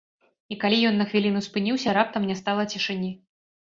І калі ён на хвіліну спыніўся, раптам не стала цішыні.